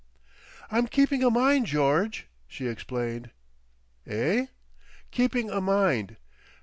"I'm keeping a mind, George," she explained. "Eh?" "Keeping a mind.